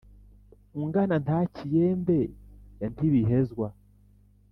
ungana ntakiyende ya ntibihezwa